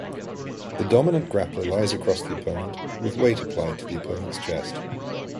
The dominant grappler lies across the opponent with weight applied to the opponent's chest.